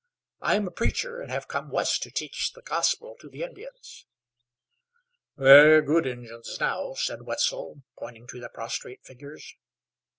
"I am a preacher, and have come west to teach the gospel to the Indians." "They're good Injuns now," said Wetzel, pointing to the prostrate figures.